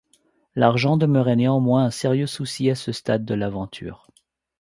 L’argent demeurait néanmoins un sérieux souci à ce stade de l’aventure.